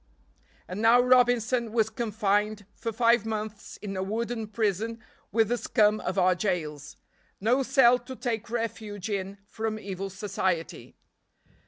And now Robinson was confined for five months in a wooden prison with the scum of our jails. No cell to take refuge in from evil society.